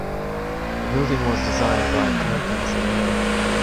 The building was designed by Perkins and Will.